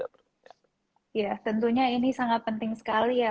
ya tentunya ini sangat penting sekali ya